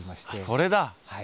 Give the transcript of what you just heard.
それだ。